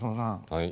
はい。